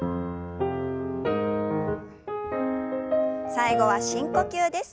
最後は深呼吸です。